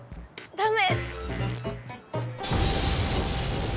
ダメ！